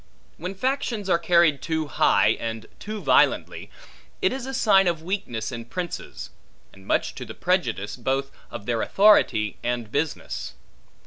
When factions are carried too high and too violently, it is a sign of weakness in princes; and much to the prejudice, both of their authority and business.